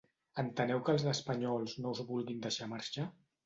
Enteneu que els espanyols no us vulguin deixar marxar?